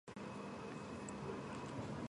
შემდეგს აღარც დავითვლი იმიტომ, რომ ნაკლები არის.